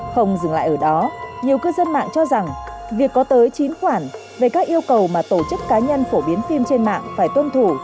không dừng lại ở đó nhiều cư dân mạng cho rằng việc có tới chín khoản về các yêu cầu mà tổ chức cá nhân phổ biến phim trên mạng phải tuân thủ